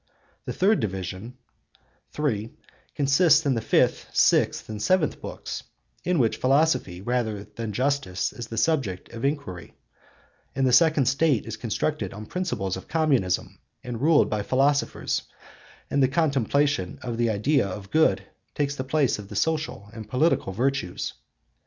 The third division (3) consists of the fifth, sixth, and seventh books, in which philosophy rather than justice is the subject of enquiry, and the second State is constructed on principles of communism and ruled by philosophers, and the contemplation of the idea of good takes the place of the social and political virtues.